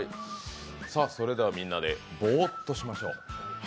それではみんなでぼーっとしましょう。